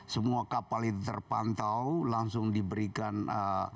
semua kapal itu terbang dan juga kembali ke malaysia